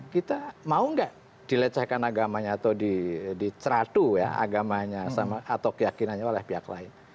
kita mau nggak dilecehkan agamanya atau diceratu ya agamanya atau keyakinannya oleh pihak lain